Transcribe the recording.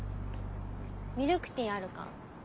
ミルクティーあるか？